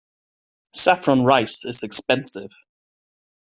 Saffron rice is expensive.